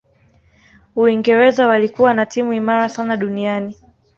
uingereza walikuwa na timu imara sana duniani